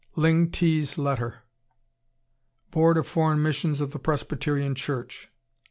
The New Persia Board of Foreign Missions of the Presbyterian Church.